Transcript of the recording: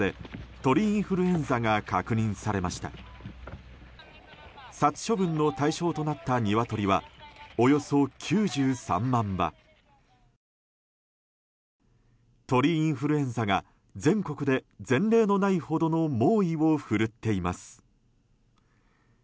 鳥インフルエンザが全国で、前例のないほどの猛威を振るっています。